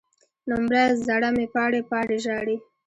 نومبره، زړه مې پاڼې، پاڼې ژاړي